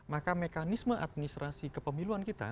maka mekanisme administrasi kepemiluan kita